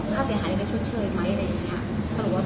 ๑ถ้าเป็นการเทรดเชิงก็คือได้เขาก็ได้กระดาษแบบนี้